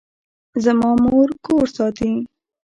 زما مور کور ساتي